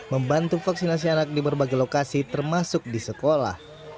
membantu vaksinasi anak di berbagai lokasi termasuk di sekolah